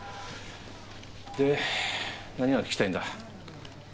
で何が聞きたいんだ？